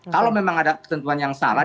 kalau memang ada ketentuan yang salah